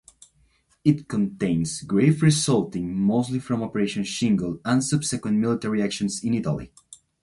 It contains graves resulting mostly from Operation Shingle and subsequent military actions in Italy.